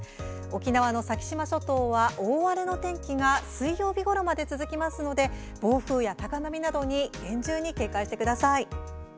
沖縄の先島諸島は大荒れの天気が水曜日ごろまで続きますので暴風や高波などに厳重に警戒してください。